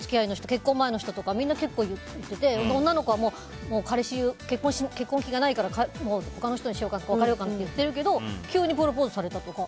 結婚前の人とかみんな結構言ってて彼氏、結婚する気がないから他の人にしようかな別れようかなって言ってるけど急にプロポーズされたとか。